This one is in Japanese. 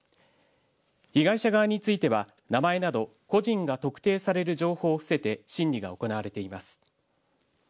被害者側については名前など個人が特定される情報を伏せて審理が行われています。